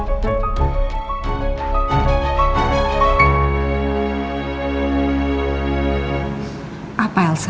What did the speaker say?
bukan sama dengannya